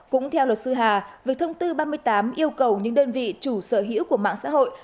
cũng theo luật sư hà việc thông tư ba mươi tám yêu cầu những đơn vị chủ sở hữu của mạng xã hội